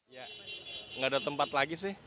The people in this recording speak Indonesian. ya nggak ada tempat lagi sih